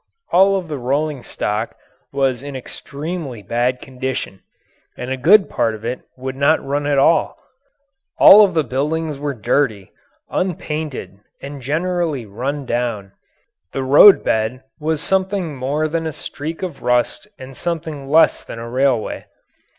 All of the rolling stock was in extremely bad condition and a good part of it would not run at all. All of the buildings were dirty, unpainted, and generally run down. The roadbed was something more than a streak of rust and something less than a railway.